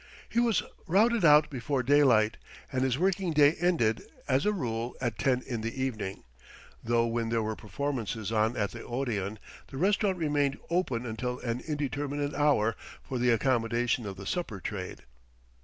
He was routed out before daylight, and his working day ended as a rule at ten in the evening though when there were performances on at the Odéon, the restaurant remained open until an indeterminate hour for the accommodation of the supper trade.